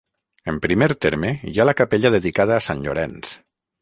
En primer terme hi ha la capella dedicada a Sant Llorenç.